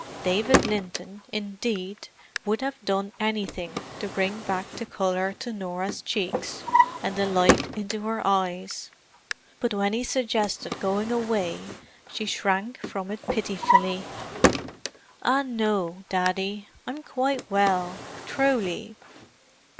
David Linton, indeed, would have done anything to bring back the colour to Norah's cheeks and the light into her eyes. But when he suggested going away she shrank from it pitifully. "Ah, no, Daddy. I'm quite well, truly."